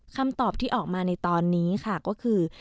คำตอบที่ออกมาในตอนนี้ค่ะก็คือ